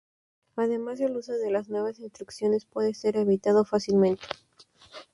Además el uso de las nuevas instrucciones puede ser evitado fácilmente.